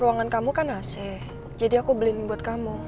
ruangan kamu kan ac jadi aku beliin buat kamu